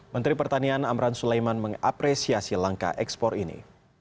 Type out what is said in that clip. menteri pertanian amran sulaiman mengapresiasi langkah ekspor ini